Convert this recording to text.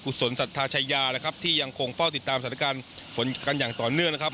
ศลสัทธาชายานะครับที่ยังคงเฝ้าติดตามสถานการณ์ฝนกันอย่างต่อเนื่องนะครับ